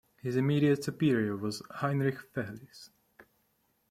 His immediate superior was Heinrich Fehlis.